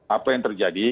apa yang terjadi